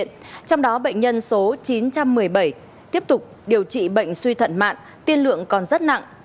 trong đó bệnh nhân số chín trăm một mươi bảy tiếp tục điều trị bệnh suy thận mạng tiên lượng còn rất nặng